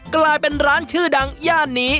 กลายเป็นร้านชื่อดังย่านนี้